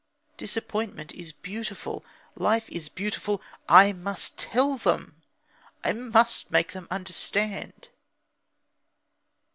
Disappointment is beautiful. Life is beautiful. I must tell them. I must make them understand."